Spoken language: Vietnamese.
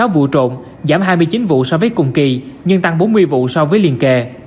chín mươi sáu vụ trộn giảm hai mươi chín vụ so với cùng kỳ nhưng tăng bốn mươi vụ so với liên kỳ